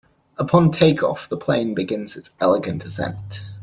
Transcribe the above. Upon take-off, the plane begins its elegant ascent.